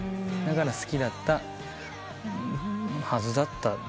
だから好きだったはずだった。